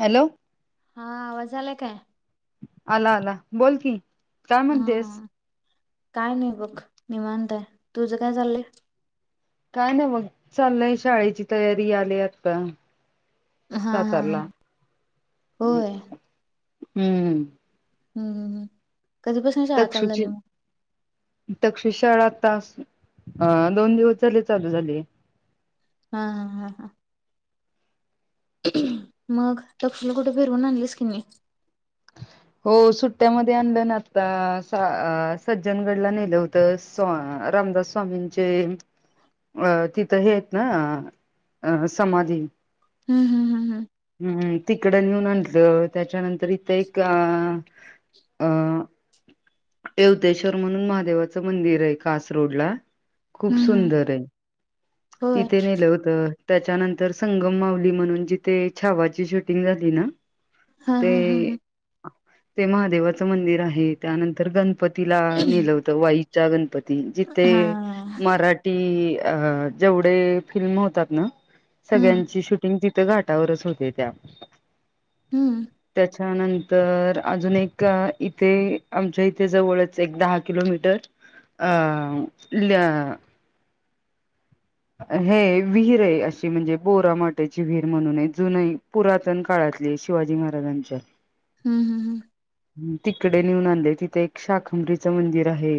Hello. हा आवाज आलाय काय. आला आला बोल की. काय म्हणतेस. हा काय नाही बघ निवांत तुझं काय चाललंय. काय नाही मग चाललंय शाळेची तयारी आली आता हा हा हा सातारला होय. हम्म. हम् हम हम्. तक्षुची तक्षुशाळा तास अ दोन दिवस झाले चालू झाली ये हा हा हा हा. मग तकक्षू ला कुठे फिरवून आणलीस किननी? हो सुट्ट्यामध्ये आणलंण आता सज्जनगडला नेलं होत रामदास स्वामींचे अ तिथं हे आहेत ना अ समाधी हम्म हम्म हम्म हम्म तिकड न म्हटलं तयाच्यानंतर एक अ अ यवतेश्वर म्हणून महादेवाचं मंदिर आहे कास रोड ला हम्म खूप हम्म हम्म सुंदर आहे होय तिथे नेलं होत. त्याच्यानंतर संगम मावली म्हणून जिथे छावाची शूटिंग झाली ना हम् ते हम् हम् हम् ते महादेवाचं मंदिर आहे त्यानंतर गणपत तिला नेलं होतं वाई च्या गणपत ती जिथे हा मराठी अ जेवढे फिल्म होतात ना हम्म सगळ्यांची शूटिंग तित थे घाटावरच होते त्या हम्म. [unintelligible] तर अजून एक इथे आमच्या इथे जवळच एक दहा किलोमीटर अ ल हे विहीर आहे अशी म्हणजे बोरमोट्याची विहीर म्हणून आहे जुन ही पुरातन काळातली शिवाजी महाराजांच्या हम्म हम्म हम्म. तिकडे नेऊन आणले तिथे एक शाखंभरीचं मंदिर आहे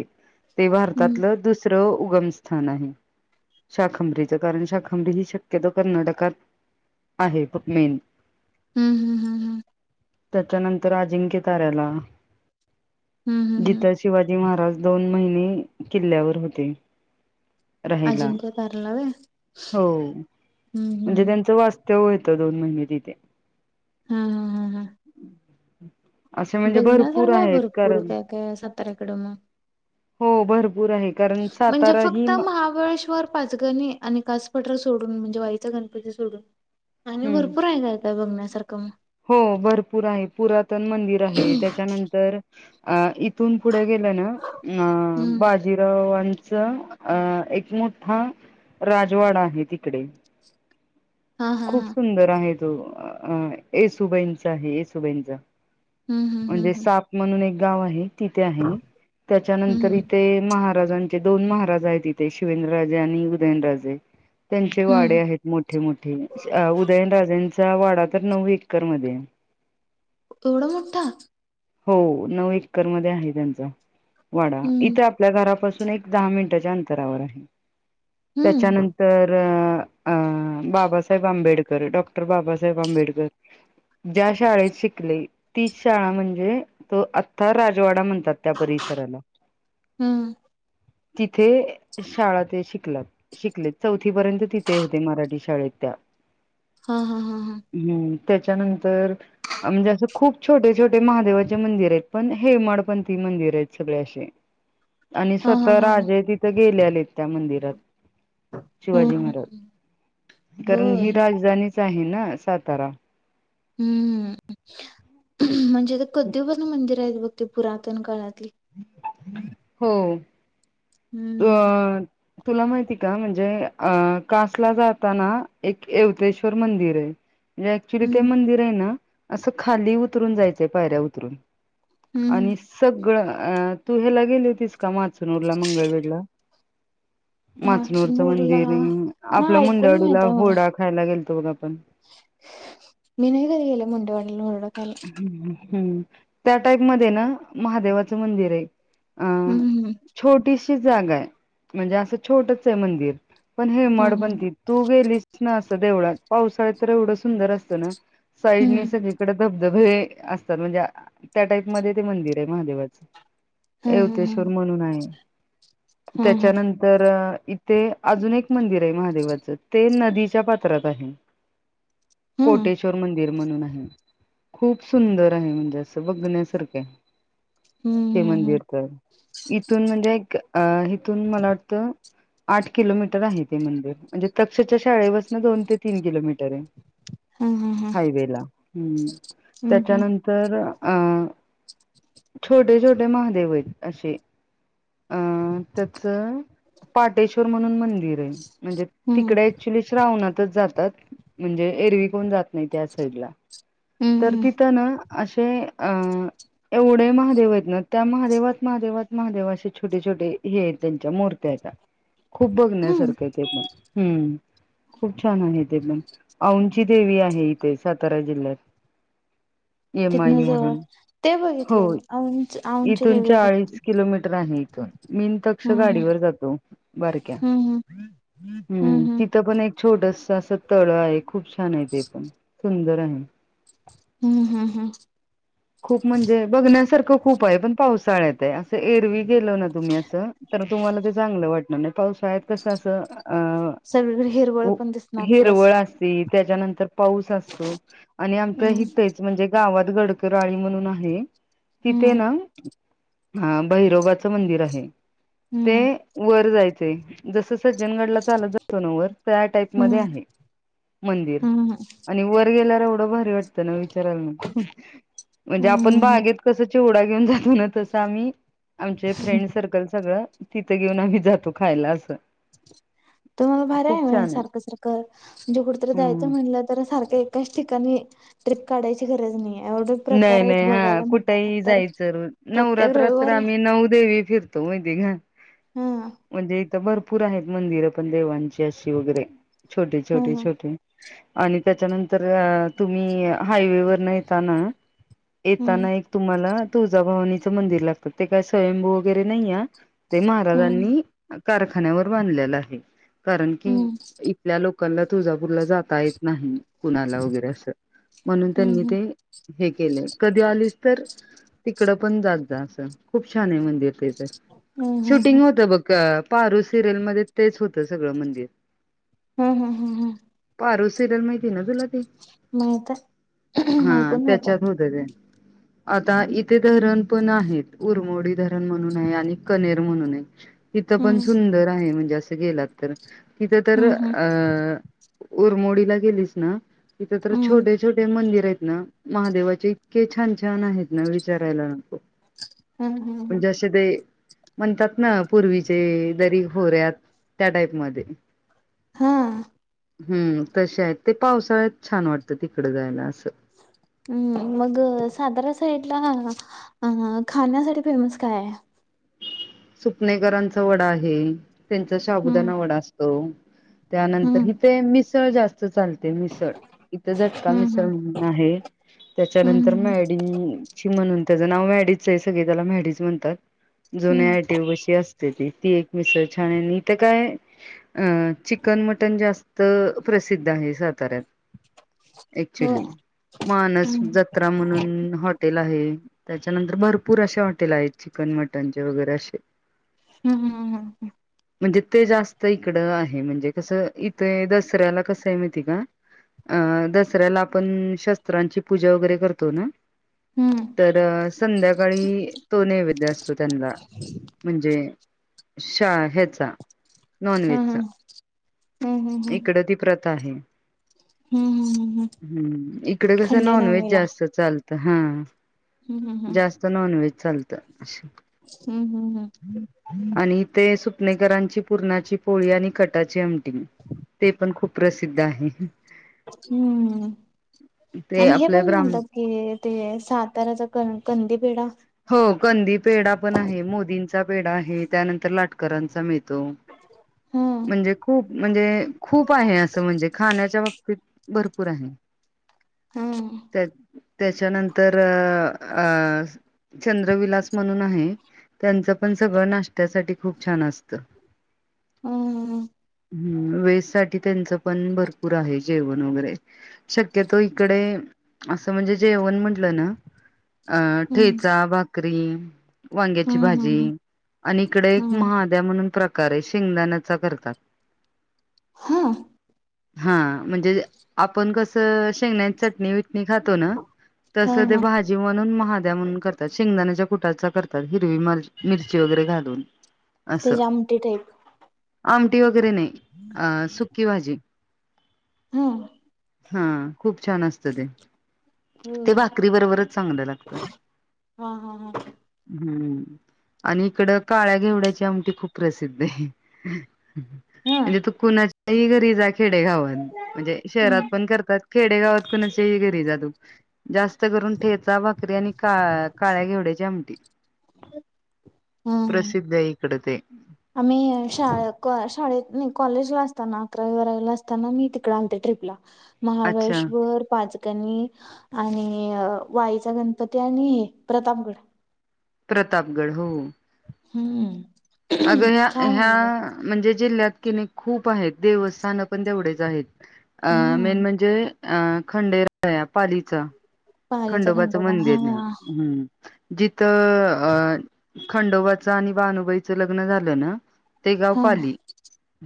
ते हम्म भारतातलं दुसरं उगम स्थान आहे. शाखंभरीचं कारण शाखांभरी ही शक्यतो कर्नाटकात आहे मेन. हम्म हम्म हम्म हम्म. त्याच्यानंतर अजिंक्य ताऱ्याला हम्म हम्म जिथं हम्म. शिवाजी महाराज दोन महिने किल्ल्यावर होते. राहिला. ताराला व्हय हम्म हम् ह व्य होतं दोन महिने तिथे. हा हा हा हा असे म्हणजे भरपूर बघण्यासारखं आहे आहेत भरपूर कारण काय काय साताऱ्याकडं मग हो भरपूर आहे. कारण म्हणजे सातारा ही फक्त महाबळेश्वर पाच गणी आणि कासपठार सोडून म्हणजे वाईचा गणपती सोडून आणि हम्म. भरपूर आहे [unintelligible] त बघण्या सारखं हो भरपूर आहे पुरातन मंदिर आहे त्याच्यानंतर अ इथून पुढे गेलं ना अ हम्म. बाजीरावांचं अ एक मोठा राजवाडा आहे तिकडे. हा हा खूप हा. सुंदर आहेत. तो अ येसुबाईंचा आहे येसुबाईंचा. हम्म हम्म म्हणजे हम्म साप म्हणून एक गाव आहे तिथे आहे हम्म त्याच्यानंतर हम्म इथे महा महाराजांचे दोन महाराज आहेत इथे शिवेंद्रराजे आणि उदयनराजे त्यांचे हम्म. वाडे आहेत मोठे मोठे उदयनराजांचा वाडा तर नऊ एकर मध्ये आहे एवढा मोठा हो नऊ एकरमध्ये आहे त्यांचा वाडा हम्म इथे आपल्या घरापासून एक दहा मिनिटांच्या अंतरावर आहे हम्म त्याच्यानंतर - अ बाबासाहेब आंबेडकर डॉक्टर बाबासाहेब आंबेडकर ज्या शाळेत शिकले तीच शाळा म्हणजे हे इथं आत्ता राजवाडा म्हणता त त्या परिसराला हम्म. ते शाळा ते शिकल्यात शिकले चौथी पर्यंत तिथे होते मराठी शाळेत त्या हा हा हा हा हम्म त्याच्यानंतर अ म्हंजे असे खूप छोटे छोटे ते महादेवाचे मंदिर आहेत पण हेमाडपंथी मंदिर आहेत सगळे अशे आणि हा हा स्वतः हा हा. राजे तिथं गेल्यालेत त्या मंदिरात हम्म शिवाजी हम्म. महाराज कारण ही होय. राजधानी चा आहे ना सातारा हम्मम म्हणजे तिथं [unintelligible] मंदिर [unintelligible] बघ ते पुरातन काळात [inaudible] हो [unintelligible] तुला माहितीय का म्हणजे अ कासला जाताना एक येवतेश्वर मंदिर आहे म्हणजे ऍक्च्युली ते हम्म मंदिर आहे ना. असं खाली उतरून जायचंय पायऱ्या उतरून. हम्म आणि हम्म. सगळं. अ तू हिला गेली होतीस का माचनूरला मंगळवेड ला हिला. माचनूरच माचनूरला मंदिर आपलं नाही ऐकून माहित मुंडवाडीला आहे मला. हुरडा खायला गेलतं. [unintelligible] आपण मी नाही घरी गेले मुंडेवाडीला येवढं. हल. हम्म. त्या टाईप मध्ये ना महादेवाचं मंदिर आहे. अ हम्म हम्म. छोटीशी जागा आहे. म्हणजे असं छोटच आहे मंदिर. पण हे हं मड हं मंदिर तू गेलीस ना. देवळात. पावसाळत तर एवढं सुंदर असतं ना. साईडनी हं सगळीकड. हे असत. म्हणजे त्या टाईप मध्ये ते मंदिर आहे महादेवाच. हं हं येवतेश्वर म्हणून आहे. हं हं त्याच्यानंतर इथे अजून एक मंदिर आहे महादेवाचं ते नदीच्या पात्रात आहे. हं हं. कोटेश्वर मंदिर. म्हणून आहे. खूप सुंदर आहे म्हणजे असं बघण्यासारखे. हं ते हं हं मंदिर तर इथून म्हणजे एक. अ. इथून मला वाटतं. आठ किलोमीटर आहे ते मंदिर म्हणजे तक्षच्या शाळेपासन दोन ते तीन किलोमीटर आहे. हम् हम् हम्. हमं. त्याच्यानंतर. अ छोटे छोटे महादेव आहेत असे अं त्याचं पाटेश्वर म्हणून मंदिर आहे. म्हणजे हं तिकडे ऍक्चुलीच राहून. जातात म्हणजे एरवी कोण जात नाही त्या साईडला. हं तर हं तिथं ना. अशे अं एवढे महादेव आहेत ना त्या महादेवात महादेवात महादेव असे छोटे छोटे हे आहेत त्यांच्या मूर्त्या आहेत त्या खूप हं बघण्यासारखं आहे ते पण. हम्म, खूप छान आहे ते एकदम, औंची देवी आहे इथे सातारा जिल्ह्यात. तिथन येमाई जवळ, म्हणून ते हो बघितलय मी, औंच-औंचची देवी बघितली. [unintelligible] मीन तक्ष हं हं गाडीवर जातो, बारक्या. हं हं हं हम्, तिथं पण एक छोटस असं तळय खूप छान आहे ते पण, सुंदर आहे. [unintelligible] हं हं हं खूप म्हणजे बघण्यासारखं खूप आहे पण पाऊस [unintelligible] असे एरवी [unintelligible] गेल ना तुम्ही अस, तर तुम्हाला ते चांगलं वाटणार नाही. पावसाळ्यात कसं असं, अ सगळीकडे हिरवळ उ पण दिसणार तुला असं. हिरवळ असती, प त्याच्यानंतर पाऊस असतो. आणि हं हितेचं म्हणजे गावात गड राळी म्हणून आहे, तिथे हं ना, [inaudible] हा भैरोबाचं मंदिर आहे. हं ते वर जायचय, जस सज्जनगडला चालत जातो ना वर, त्या टाईप मधे हं आहे. मंदिर, हं हं आणि वर गेल्या एवढं भारी वाटतं ना विचाराला नको. [unintelligible] म्हणजे आपण हं हं बागेत कस, चि वडा घेऊ जातो ना, तसं आम्ही आमच फ्रेंड सर्कल सगळं तिथं घेऊन आम्ही जातो खायला असं. तुमाला भारी्या खूप आहे मग हे छान सारखं- सारखं, म्हणजे कुठेतरी जायचं हम्म म्हणलं तर, सारखं एकाच ठिकाणी ट्रिप काढायची गरज नाहीेये. नाही नाही, हा कुठेही जायचं रोज. प्रत्येक नवरात्रात तर रविवारी आम्ही नऊ देवी फिर तुम्ही हम्म [unintelligible] म्हणजे तर भरपूर आहेत मंदिरं पण देवांची अशी वगैरे [inaudible] छोटे, छोटे, हम्म छोटे. आणि त्याच्यानंतर तुम्ही, हायवे वर न येताना हम्म येताना एक तुम्हाला तुळजाभवानी मंदिर लागत. ते काय स्वयंभू वगैरे नाही या ते हम्म महाराजांनी कारखान्यावर बांधलेला आहे. कारण की हम्म इथल्या लोक कला तुळजापूरला जाता येत नाही. कुणाला वगैरे असं म्हणून हम्म त्यांनी हम्म ते हे केले कधी आलीस तर तिकडं पण जात जा असं खूप छान आहे मंदिर ते हम्म शूटिंग हम्म होत बघ अ पारू सिरीयलमध्ये तेच होतं सगळं मंदिर हम्म हम्म हम्म हम्म पारू सिरीयल माहिती ना तूला मायता माय हा कोण त्याच्यात होत ते आता इथे धरण पण आहेत उरमोडी धरण म्हणून आहे आणि कनेर म्हणून आहे. तिथं पण हम्म सुंदर आहे म्हणजे अस थ गेलात तर तिथं तर हम्म हम्म अं उरमोडीला गेलीस ना इथे तर हम्म छटे छोटे मंदिर आहेत ना महादेवाचे इतके छान छान आहेत ना विचारायला नको हम्म हम्म हम्म म्हणजे असे ते म्हणतात ना पूर्वीचे दरी होऱ्यात त्या टाईप मध्ये हा हम्म तसे आहेत ते पावसाळ्यात छान वाटतं तिकडं जायला असं हम् मग सातारा साईडला अ खाण्यासाठी फेमस काय आहे सुपनेकरांचा वडा आहे. त्यांचा हम्म शाबुदानावडा असतो. त्यानंतर हम्म हिथ मिस तळ जास्त चालते मिसळ इथ झटका हम्म मिसळ हम्म म्हणून आहे हम्म त्याच्यानंतर हम्म मॅडीची म्हणून त्याचं नाव मॅडीच आहे सग त्याला मॅडीच म्हणतात. हम्म अशी असते ती एक मिसळ छान इथ काय अ चिकन मटन जास्त प्रसिद्ध आहे साताऱ्यात होय क्चुली मानस हम्म जत्रा म्हणून हॉटेल आहे. त्याच्यानंतर भरपूर असशे हॉटेल आहेत चिकन मटनचे वगैरे असे हम्म हम्म हम्म हम् म्हणजे ते जास्त इकड आहे. म्हणजे कसं इथे दसऱ्याला कसं आहे माहिती का. अ दसऱ्याला आपण शस्त्रांची पूजा वगैरे करतो ना. हम्म तर संध्याकाळी तो नैवेद्य असतो. सुतंद्र म्हणजे शा ह्याचा नॉन हम्म व्हेजचा हम्म हम्म हम्म इकडं ती प्रत आहे. हम्म हम्म हम्म इकडे कस नॉनव्हेज खंडेनवमीला जास्त चालतं. तर हा हम्म हम्म जास्त नॉन व्हेज चालतं. हम्म हम्म आणि ते सुपनेकरांची पुूरणाची पोळी आणि खटाची आमटी ते पण खूप प्रसिद्ध आहे. हम्म ते आणि हे आपले पण ब्राह्मण म्हणतात कि ते साताऱ्याचा क कंदी पिढा पेड आहे त्यानंतर लाटकरांचा म त हा म्हणजे खूप म्हणजे खूप आहे असं म्हणजे खाण्याच्या बाबतीत भरपूर आहे. हम्म. त्या त्याच्यानंतर अ चंद्रविलास म्हणून आहे. त्यांच पण सगळं नाश्त्यासाठी खूप छान असत. हम्म. हम्म वे सा त्यांच पण भरपूर आहे जेवण वगैरे शक्यतो इकडे असं म्हणजे जेवण म्हंटलं ना अ हम्म ठेचा बाकरी त्रीम वांग्याची भाजी हम्म आणि इकडे एक हम्म महाद्या म्हणून प्र प्रकारे शेंगदाणाचा करतात. हां हा म्हणजे आपण कस शेंग चटणीटणी खातो ना तस हा ते हा भाजी म्हणून महाद्या म्हणून करतात शेंगदान्याच्या कुटाचा करतात हिरवी मिरची वगैरे घालून ते जामटे टाईप आमटठी नाही सुकी भाजी हा हा खूप छान असत ते हा ते भाकरी बरोबरच चांगलं लागत हा हा हम्म आणि इकडं काळ्या घेवड्याची आमटी खूप प्रसिद्ध हाय. हा म्हणजे तू कुणा त्री घरी जाईल. खेडेगावात म्हणजे शहरात हम्म पण करतात, खेडेगावात कुणाच्या ही घरी जा तू जास्त करून ठेचा भा करी आणि का काळ्या घेवड्याचीं आमटी. हम्म प्रसिद्ध हयं. कडं ते आम्ही शा शाळेत नाई, कॉलेजला असताना, अकरावी बारावीला असताना मी तिकडे आलते ट्र्रीपला. अच्छा महाबळेश्वर, पाच आणि वाईचा गणपती आणि अ प्रतापगड. प्रतापगड हो. हूं. अग ह्या ह्या म्हणजे जिल्ह्यात किनै खूप आहेत. देवस्थान पण तेवढेच आहेत. अ, हम्म मेन म्हणजे अ खंडेराया पालीचा. पहारीचा खंडोबाचं खंडोबा हा मंदिर ना, हूं. जिथं अ खंडोबाच आणि भानुबाईचं लग्न झालं ना ते गाव हा पाली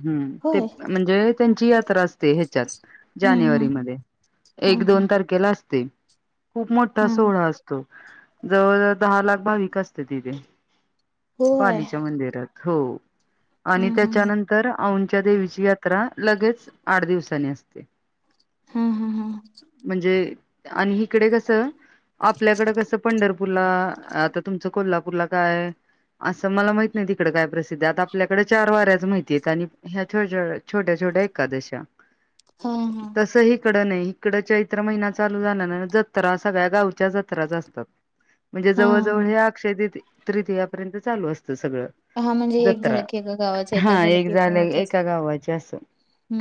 हूं ते होय म्हणजे त्यांची या त्रा असते ह्याच्यात हम्म हम्म जानेवारी मध्ये, हा एक दोन हा तारखेला अस [unintelligible] खूप मोठा हा सोहळा असतो. जवळ जवळ दहा लाख भाविक असत्यात तिथे. होय पालीच्या मंदिरात. हो. हा आणि हा हा त्याच्यानंतर औंधच्या देवीची यात्रा लगेच आठ दिवसानी असते. हा हा म्हणजे आन ही हीकडे कसं आपल्याकडं कसं पंढर पूरला आता तुमचं कोल्हापूरला काय, असं मला महित नाही तिकडे काय प्रसिद्ध हाय, आता आपल्याकडे चार वाऱ्याच माहितीय आहेत आणि ह्या [inaudible] छोट्या छोट्या एकादशा, हा हा तसं हिकड ड नई हिकडं चैत्र महिना चालू झाला ना ज त्रा सगळ्या गावच्या जत्राच असतात. म्हणजे जवळजवळ हा हे अक्षय तीत तृतीयापर्यंत चालू अस सगळं, हा म्हणजे एक झालं जत्रा की एका गावाचं एका हा झालं एक की झाल्या गावाचं असं एका गावाची असं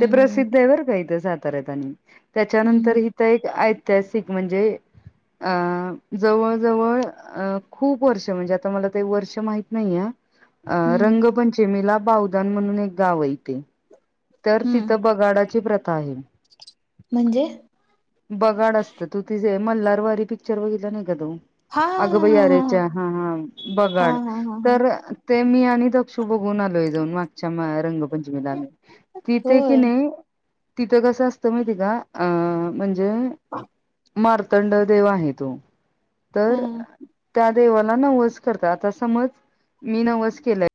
ते हम्म प्रसिद्ध आहे बर का इथ सा तर येतानी. त्याच्यानंतर हम्म हिथं एक ऐ त्यासि म्हणजे अ जवळ जवळ अ खूप वर्ष म्हणजे आता मला ते वर्ष माहित नाहीय. अ हम्म रंगपंचमी ला बावधन म्हणून एक गाव आहे तेे. तर हम्म तिथं बगाडाची प्र ता आहे. म्हणजे बगाड असतं तू तिजे मल्हार वारी पिक्चर बघितला नाही का तो? हा अगं हा बाई अरेच्या हा हा हा बगाड हा हा हा हा हा तर ते मी आणि दक्षु बघू बघून आलोय जाऊन मागच्या अ रंगपंचमीला आम्ही तिथे की होय नाही, त कसं असतं माहिती का अ म्हणजे मार तंड देेव आहे तो तर हा त्या देवाला नवस करतात आता समज, मी नवस केलाय